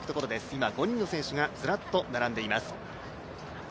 今、５人の選手がずらっと並んでいます。